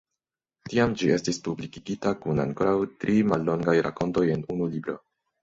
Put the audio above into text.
Tiam ĝi estis publikigita kun ankoraŭ tri mallongaj rakontoj en unu libro.